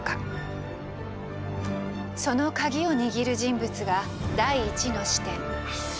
その鍵を握る人物が第１の視点。